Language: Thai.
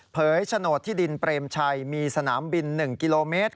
โฉนดที่ดินเปรมชัยมีสนามบิน๑กิโลเมตร